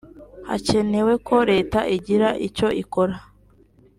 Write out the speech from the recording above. Hakenewe ko leta igira icyo ikora